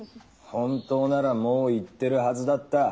本当ならもう行ってるはずだった。